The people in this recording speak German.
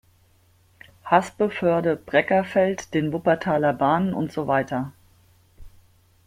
Haspe-Vörde-Breckerfeld, den Wuppertaler Bahnen usw.